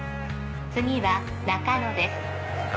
次は中野です。